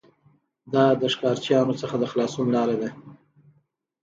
دا د ښکارچیانو څخه د خلاصون لاره ده